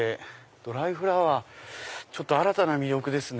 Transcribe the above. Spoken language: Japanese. ドライフラワー新たな魅力ですね。